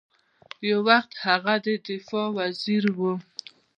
یو وخت هغه د دفاع وزیر ؤ